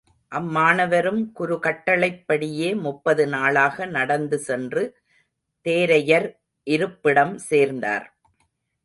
அம் மாணவரும் குரு கட்டளைப்படியே முப்பது நாளாக நடந்துசென்று தேரையர் இருப்பிடம் சேர்ந்தார்.